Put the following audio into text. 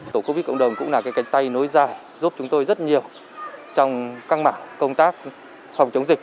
tổ covid cộng đồng cũng là cái cánh tay nối dài giúp chúng tôi rất nhiều trong các mảng công tác phòng chống dịch